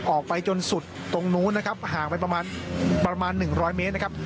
ออกไปจนสุดตรงนู้นนะครับห่างไปประมาณประมาณ๑๐๐เมตรนะครับ